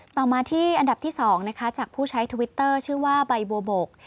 ต่อมาที่อันดับที่๒นะคะจากผู้ใช้ทวิตเตอร์ชื่อว่าใบบัวบก